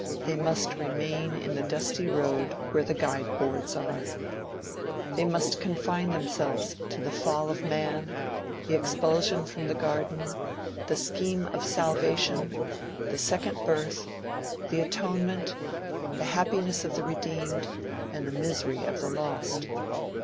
They must remain in the dusty road where the guide boards are. They must confine themselves to the "fall of man" the expulsion from the garden, the "scheme of salvation," the "second birth," the atonement, the happiness of the redeemed, and the misery of the lost.